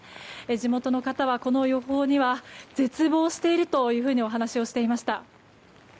地元の方はこの予報には絶望しているというふうにお話をしていました。